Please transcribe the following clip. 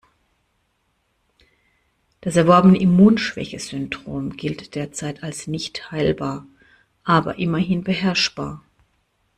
Das erworbene Immunschwächesyndrom gilt derzeit als nicht heilbar, aber immerhin beherrschbar.